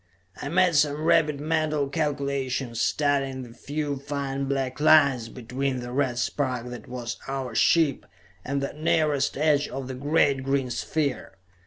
I made some rapid mental calculations, studying the few fine black lines between the red spark that was our ship, and the nearest edge of the great green sphere.